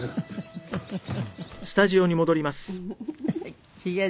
フフフフ！